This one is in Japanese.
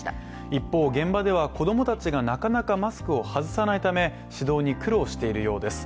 一方、現場では、子供たちがなかなかマスクを外さないため指導に苦労しているようです。